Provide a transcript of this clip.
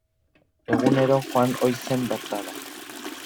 Egunero joan ohi zen bertara.